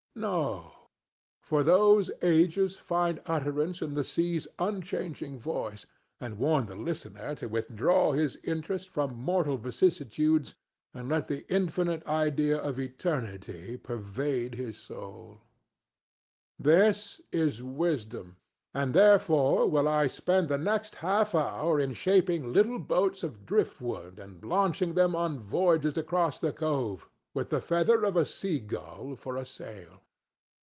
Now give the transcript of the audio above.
No; for those ages find utterance in the sea's unchanging voice, and warn the listener to withdraw his interest from mortal vicissitudes and let the infinite idea of eternity pervade his soul. This is wisdom, and therefore will I spend the next half hour in shaping little boats of driftwood and launching them on voyages across the cove, with the feather of a sea gull for a sail.